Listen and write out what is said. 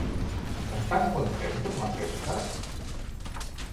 Estan contents amb la pesca?